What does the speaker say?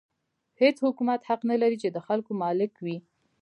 هېڅ حکومت حق نه لري چې د خلکو مالک وي.